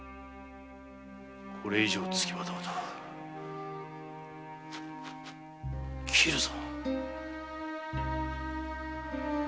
これ以上つきまとうと斬るぞ！